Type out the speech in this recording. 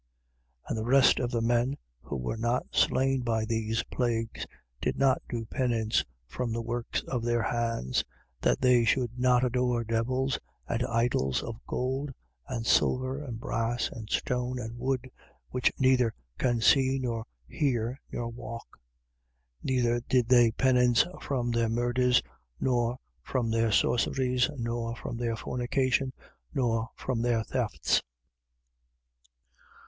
9:20. And the rest of the men, who were not slain by these plagues, did not do penance from the works of their hands, that they should not adore devils and idols of gold and silver and brass and stone and wood, which neither can see nor hear nor walk: 9:21. Neither did they penance from their murders nor from their sorceries nor from their fornication nor from their thefts.